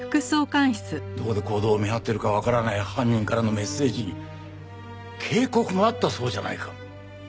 どこで行動を見張ってるかわからない犯人からのメッセージに警告があったそうじゃないか。